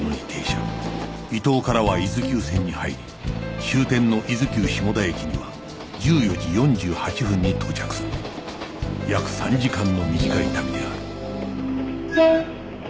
伊東からは伊豆急線に入り終点の伊豆急下田駅には１４時４８分に到着する約３時間の短い旅である